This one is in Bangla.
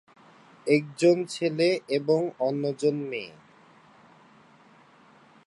একজন ছেলে এবং অন্যজন মেয়ে।